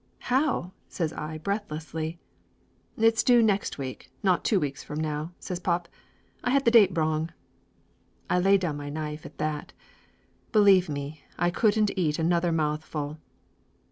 "How ?" says I breathlessly. "It's due next week, not two weeks from now," says pop. "I had the date wrong." I laid down my knife at that. Believe me, I couldn't eat another mouthful.